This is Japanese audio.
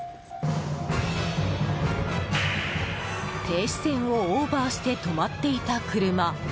停止線をオーバーして止まっていた車。